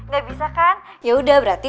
gak bisa kan yaudah berarti